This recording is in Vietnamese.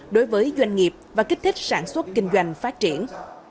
đối với doanh nghiệp và kích thích sản xuất kinh doanh phát triển